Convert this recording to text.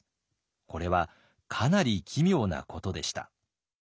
これはかなり奇妙なことでした。